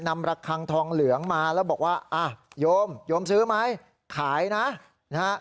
ระคังทองเหลืองมาแล้วบอกว่าอ่ะโยมโยมซื้อไหมขายนะนะฮะ